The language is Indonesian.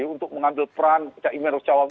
untuk mengambil peran pak imin dan pak cawal